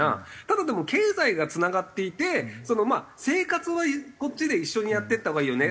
ただでも経済がつながっていて生活はこっちで一緒にやっていったほうがいいよね。